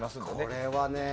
これはね